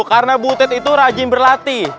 karena butet itu rajin berlatih